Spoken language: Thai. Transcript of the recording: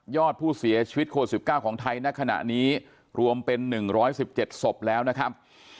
อดผู้เสียชีวิตโควิด๑๙ของไทยณขณะนี้รวมเป็น๑๑๗ศพแล้วนะครับ